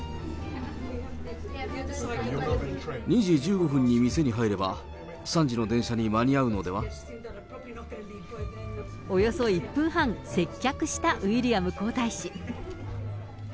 ２時１５分に店に入れば、およそ１分半、接客したウィリアム皇太子。